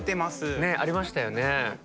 ねありましたよね。